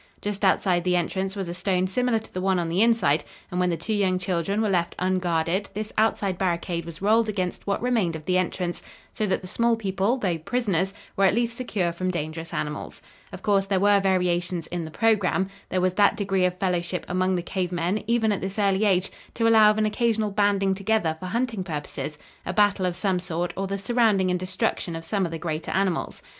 Just outside the entrance was a stone similar to the one on the inside, and when the two young children were left unguarded this outside barricade was rolled against what remained of the entrance, so that the small people, though prisoners, were at least secure from dangerous animals. Of course there were variations in the program. There was that degree of fellowship among the cave men, even at this early age, to allow of an occasional banding together for hunting purposes, a battle of some sort or the surrounding and destruction of some of the greater animals.